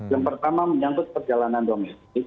yang pertama menyangkut perjalanan domestik